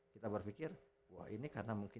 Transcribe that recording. kita berpikir wah ini karena mungkin